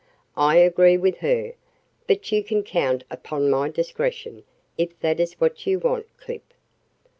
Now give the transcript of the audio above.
"I agree with her. But you can count upon my discretion, if that is what you want, Clip."